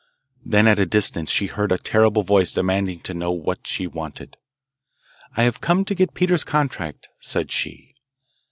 Then at a distance she heard a terrible voice demanding to know what she wanted. 'I have come to get Peter's contract,' said she.